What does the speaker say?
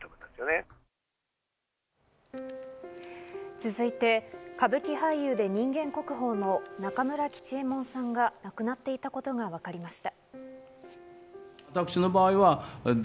続いて、歌舞伎俳優で人間国宝の中村吉右衛門さんが亡くなっていたことがわかりました。